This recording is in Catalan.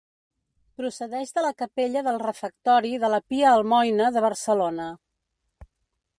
Procedeix de la capella del refectori de la Pia Almoina de Barcelona.